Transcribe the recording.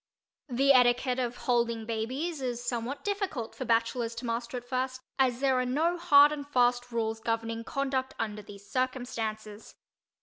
The etiquette of holding babies is somewhat difficult for bachelors to master at first as there are no hard and fast rules governing conduct under these circumstances.